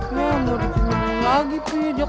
ya udah pak